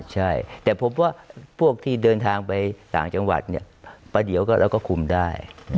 ใช่แต่ผมว่าพวกที่เดินทางไปต่างจังหวัดประเดียวก็คุมได้